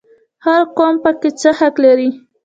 هر قوم پکې څه حق لري؟